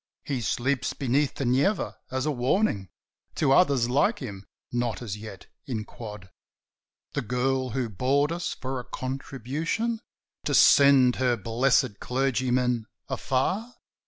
"He sleeps beneath the Neva, as a warning To others like him, not as yet in quod." "The girl who bored us for a contribution To send her blessed clergyman afar?"